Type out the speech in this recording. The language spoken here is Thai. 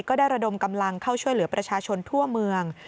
ก็ได้ระดมกำลังเข้าช่วยเหลือประชาชนทั่วเมือง